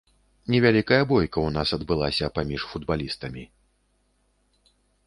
Невялікая бойка ў нас адбылася паміж футбалістамі.